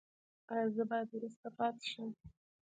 ایا زه باید وروسته پاتې شم؟